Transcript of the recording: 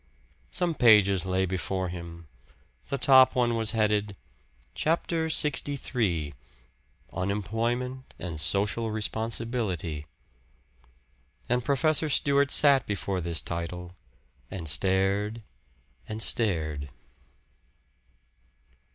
Some pages lay before him; the top one was headed: "Chapter LXIII Unemployment and Social Responsibility." And Professor Stewart sat before this title, and stared, and stared.